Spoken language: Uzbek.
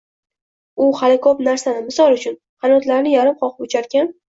U hali ko‘p narsani, misol uchun, qanotlarini yarim qoqib ucharkan